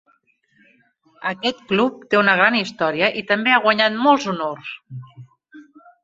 Aquest club té una gran història i també ha guanyat molts honors!